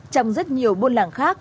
trong rất nhiều bôn làng khác